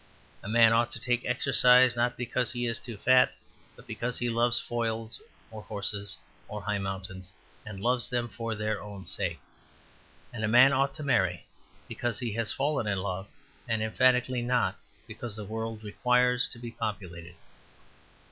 A man ought to take exercise not because he is too fat, but because he loves foils or horses or high mountains, and loves them for their own sake. And a man ought to marry because he has fallen in love, and emphatically not because the world requires to be populated.